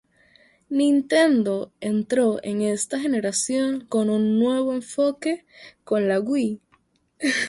Nintendo entró en esta generación con un nuevo enfoque con la Wii.